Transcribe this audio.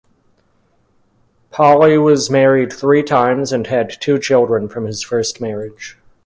Poli was married three times and had two children from his first marriage.